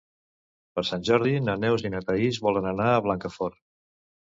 Per Sant Jordi na Neus i na Thaís volen anar a Blancafort.